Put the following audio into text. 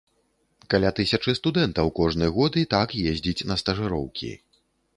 Каля тысячы студэнтаў кожны год і так ездзіць на стажыроўкі.